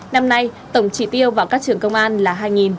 năm nay tổng trị tiêu vào các trường công an là hai